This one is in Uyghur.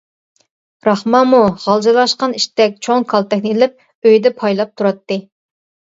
راخمانمۇ غالجىرلاشقان ئىتتەك چوڭ كالتەكنى ئېلىپ ئۆيدە پايلاپ تۇراتتى.